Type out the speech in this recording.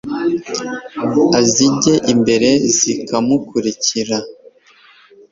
azijya imbere zikamukurikira